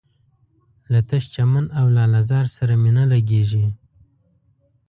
له تش چمن او لاله زار سره مي نه لګیږي